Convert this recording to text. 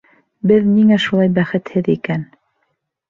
Беҙ ниңә шулай бәхетһеҙ икән?